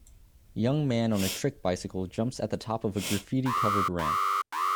Young man on a trick bicycle jumps at the top of a graffiti covered ramp